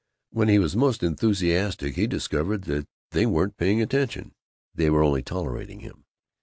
When he was most enthusiastic he discovered that they weren't paying attention; they were only tolerating him.